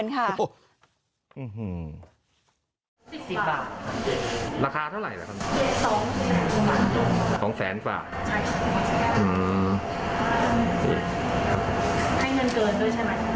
๑๐บาทค่ะราคาเท่าไหร่ค่ะ๒แสนกว่าให้เงินเกินด้วยใช่ไหมค่ะ